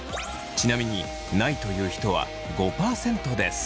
ちなみにないという人は５％です。